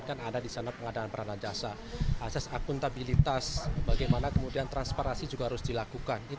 kan ada di sana pengadaan peranan jasa asas akuntabilitas bagaimana kemudian transparansi juga harus dilakukan